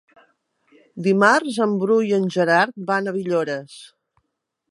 Dimarts en Bru i en Gerard van a Villores.